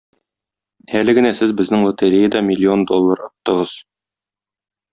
Әле генә сез безнең лотереяда миллион доллар оттыгыз!